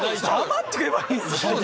黙って食えばいいんすよ。